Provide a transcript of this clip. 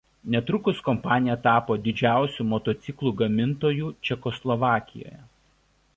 Netrukus kompanija tapo didžiausiu motociklų gamintojų Čekoslovakijoje.